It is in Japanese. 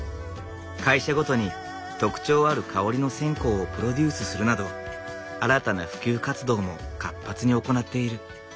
会社ごとに特徴ある香りの線香をプロデュースするなど新たな普及活動も活発に行っている。